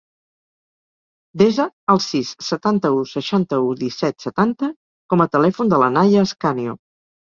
Desa el sis, setanta-u, seixanta-u, disset, setanta com a telèfon de la Naia Ascanio.